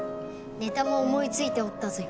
ネタも思いついておったぞよ。